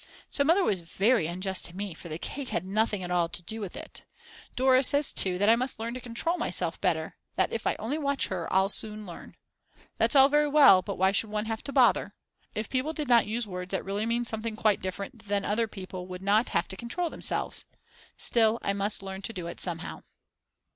So Mother was very unjust to me, for the cake had nothing at all to do with it. Dora says too that I must learn to control myself better, that if I only watch her I'll soon learn. That's all very well, but why should one have to bother? If people did not use words that really mean something quite different then other people would not have to control themselves. Still, I must learn to do it somehow.